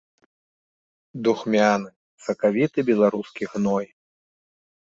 Духмяны, сакавіты беларускі гной.